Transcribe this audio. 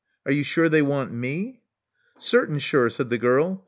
Are you sure they want me?" Certain sure," said the girl.